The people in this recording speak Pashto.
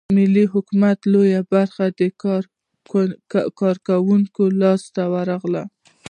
د محلي حکومت لویه برخه د کارګر ګوند لاسته ورغله.